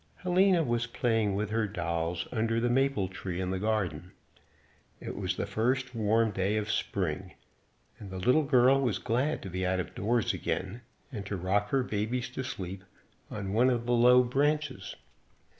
Helena was playing with her dolls under the Maple tree in the garden. It was the first warm day of spring, and the little girl was glad to be out of doors again, and to rock her babies to sleep on one of the low branches.